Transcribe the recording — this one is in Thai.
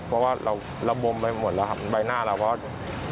เพราะว่าเราระบมไปหมดแล้วครับใบหน้าเราก็